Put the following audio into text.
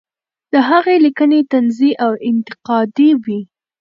د هغې لیکنې طنزي او انتقادي وې.